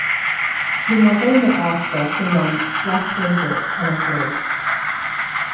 Le Moiré noirâtre se nomme Black Ringlet en anglais.